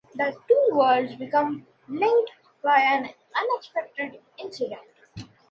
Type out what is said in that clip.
The two worlds become linked by an unexpected incident.